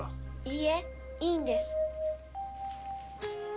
いいえいいんです。